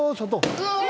うわ！